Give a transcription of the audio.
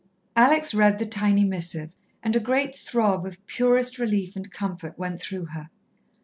Alex read the tiny missive, and a great throb of purest relief and comfort went through her.